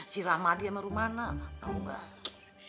si ramadi sama rumana tau gak